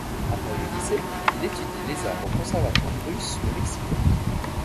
Après le lycée, il étudie les arts au conservatoire Russe de Mexico.